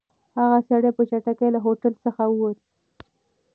هغه سړی په چټکۍ له هوټل څخه ووت.